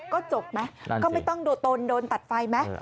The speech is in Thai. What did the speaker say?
ก็จบไหมก็ไม่ต้องโดนตนโดนตัดไฟไหม